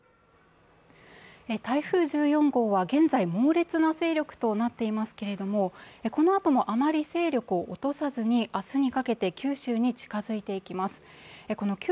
台風１４号は現在、猛烈な勢力となっていますけれども、このあともあまり勢力を落とさずに、明日にかけて九州に近づいていきます。